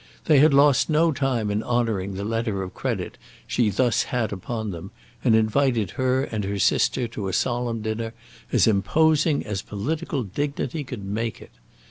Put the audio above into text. They had lost no time in honouring the letter of credit she thus had upon them, and invited her and her sister to a solemn dinner, as imposing as political dignity could make it.